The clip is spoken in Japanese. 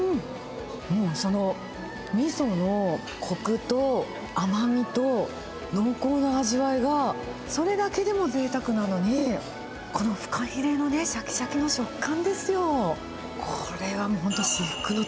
もう、そのみそのこくと甘みと、濃厚な味わいが、それだけでもぜいたくなのに、このフカヒレのしゃきしゃきの食感ですよ。